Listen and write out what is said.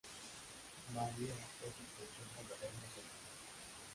María fue sospechosa de haberlo envenenado.